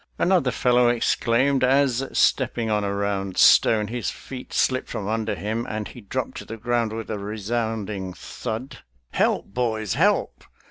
Another fellow exclaimed, as, step ping on a round stone, his feet slipped from un der him and he dropped to the ground with a resounding thud, " Help, boys, help